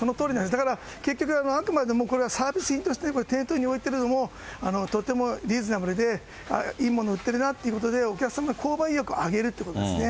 だからあくまでサービス品として店頭に置いてるのも、とてもリーズナブルでいいものを売ってるなということで、お客さんの購買意欲を上げるっていうことなんですね。